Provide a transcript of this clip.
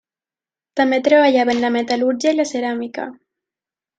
També treballaven la metal·lúrgia i la ceràmica.